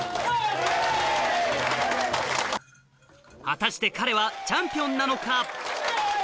果たして彼はチャンピオンなのか？